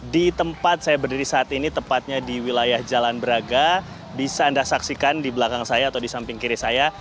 di tempat saya berdiri saat ini tepatnya di wilayah jalan braga bisa anda saksikan di belakang saya atau di samping kiri saya